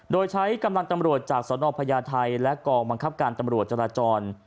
โดยใช้กำลังตำรวจจากสนพญาไทยและกองบังคับการตำรวจจราจร